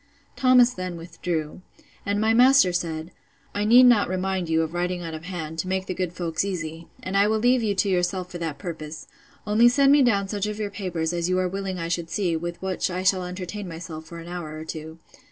Thomas then withdrew. And my master said, I need not remind you of writing out of hand, to make the good folks easy: and I will leave you to yourself for that purpose; only send me down such of your papers, as you are willing I should see, with which I shall entertain myself for an hour or two.